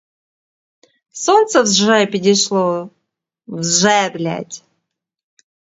Сонце вже підійшло високо і дуже гріло.